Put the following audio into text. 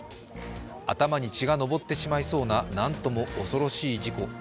頭に血が上ってしまいそうななんとも恐ろしい事故。